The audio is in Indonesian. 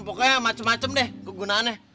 pokoknya macem macem deh kegunaannya